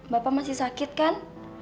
bapak masih sakit kan